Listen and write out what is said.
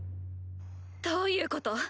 どういうこと？